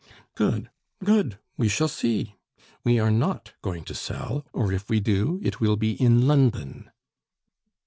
"Good, good, we shall see. We are not going to sell; or if we do, it will be in London."